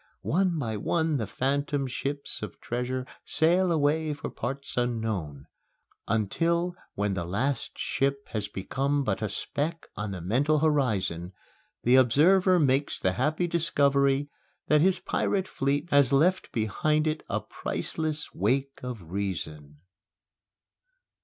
One by one the phantom ships of treasure sail away for parts unknown; until, when the last ship has become but a speck on the mental horizon, the observer makes the happy discovery that his pirate fleet has left behind it a priceless wake of Reason!